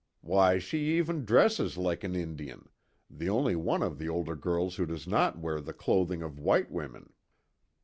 Why she even dresses like an Indian the only one of the older girls who does not wear the clothing of white women."